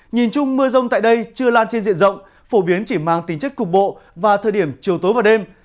nhìn chung mưa rông tại đây chưa lan trên diện rộng phổ biến chỉ mang tính chất cục bộ vào thời điểm chiều tối và đêm